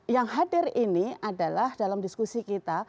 yang hadir ini adalah dalam diskusi kita